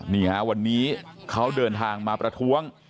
นี่ฮะวันนี้เขาเดินทางมาประท้วง